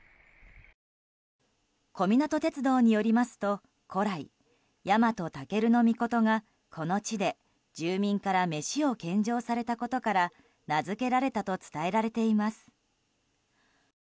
小湊鉄道によりますと古来、日本武尊がこの地で住民から飯を献上されたことから名づけられたと伝えられています。